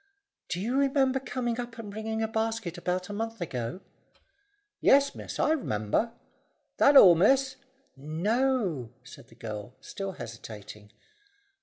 "Do you remember coming up and bringing a basket about a month ago?" "Yes, miss, I r'member. That all, miss?" "No," said the girl, still hesitating.